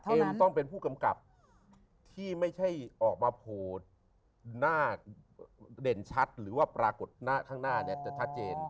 ต้องเป็นผู้กำกับที่ไม่ใช่ออกมาโผล่หน้าเด่นชัดหรือว่าปรากฏหน้าข้างหน้าเนี่ยจะชัดเจน